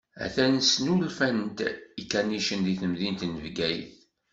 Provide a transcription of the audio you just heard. Atan snulfant-d ikanicen di temdint n Bgayet.